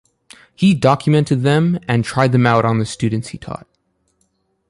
He documented them, and tried them out on the students he taught.